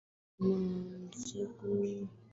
kama mshuhuda mkuu juu ya maisha na mafundisho ya Yesu